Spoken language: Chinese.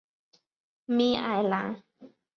米埃朗。